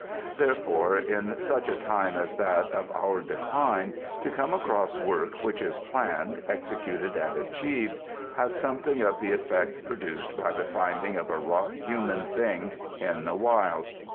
Therefore in such a time as that of our decline, to come across work which is planned, executed and achieved has something of the effect produced by the finding of a wrought human thing in the wild.